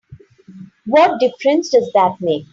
What difference does that make?